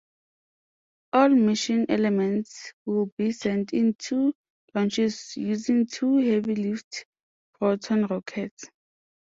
All mission elements will be sent in two launches using two heavy-lift Proton rockets.